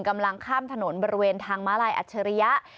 กำลังข้ามถนนบริเวณทางม้าลายอัจฉริยะ